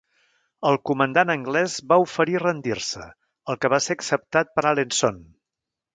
El comandant anglès va oferir rendir-se, el que va ser acceptat per Alençon.